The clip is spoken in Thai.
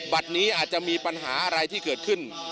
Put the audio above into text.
บัตรนี้อาจจะมีปัญหาอะไรที่เกิดขึ้น